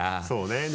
そうね。